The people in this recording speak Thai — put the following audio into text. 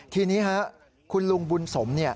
ทีนี้คุณลุงบุญสม